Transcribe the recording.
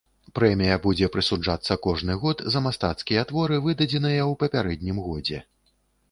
Прэмія будзе прысуджацца кожны год за мастацкія творы, выдадзеныя ў папярэднім годзе.